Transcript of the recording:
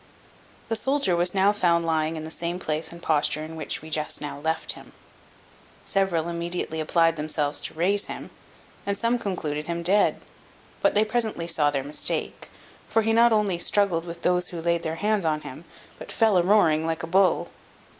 The soldier was now found lying in the same place and posture in which we just now left him. Several immediately applied themselves to raise him, and some concluded him dead; but they presently saw their mistake, for he not only struggled with those who laid their hands on him, but fell a roaring like a bull.